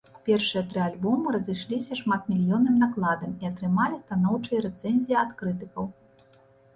Першыя тры альбомы разышліся шматмільённым накладам і атрымалі станоўчыя рэцэнзіі ад крытыкаў.